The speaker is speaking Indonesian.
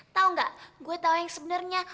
tau nggak gue tau yang sebenernya